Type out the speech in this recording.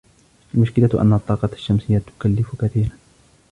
المشكلة أن الطاقة الشمسية تكلف كثيرا.